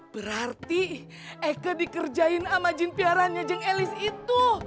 berarti eke dikerjain sama jin piaranya jeng elis itu